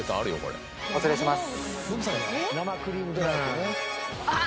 お連れします。